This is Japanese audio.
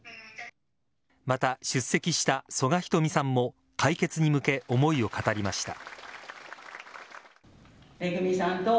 また、出席した曽我ひとみさんも解決に向け思いを語りました。